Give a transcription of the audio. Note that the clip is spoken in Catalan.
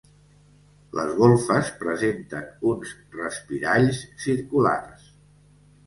Les golfes presenten uns respiralls circulars.